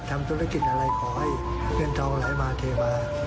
ทำธุรกิจอะไรขอให้เงินทองไหลมาเทมา